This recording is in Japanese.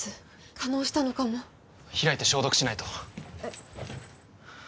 化膿したのかも開いて消毒しないとえっ？